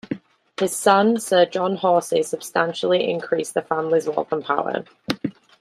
His son, Sir John Horsey substantially increased the family's wealth and power.